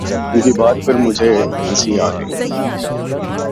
ان کی بات پر مجھے ہنسی آ گئی